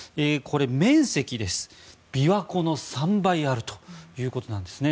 面積が琵琶湖の３倍あるということなんですね。